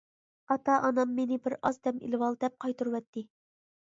ئاتا-ئانام مېنى بىر ئاز دەم ئېلىۋال، دەپ قايتۇرۇۋەتتى.